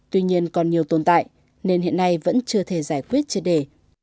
tuy nhiên còn nhiều tồn tại nên hiện nay vẫn chưa thể giải quyết triệt đề